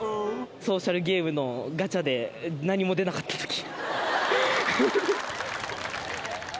ソーシャルゲームのガチャで何も出なかったとき。